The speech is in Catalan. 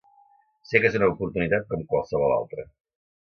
Sé que és una oportunitat com qualsevol altra.